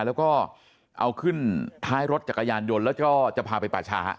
แล้วก็เอาขึ้นท้ายรถจักรยานยนต์แล้วก็จะพาไปป่าช้า